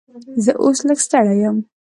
زه اوس لږ ستړی یم.